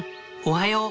おはよう。